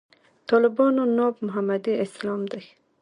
طالبانو ناب محمدي اسلام دی.